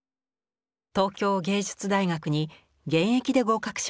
東京藝術大学に現役で合格しました。